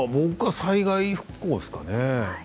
災害復興ですかね